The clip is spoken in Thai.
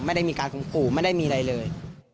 ไม่ได้มีการข่มขู่ไม่ได้มีอะไรเลย